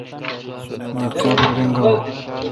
لٹکور نہ رینگاوں۔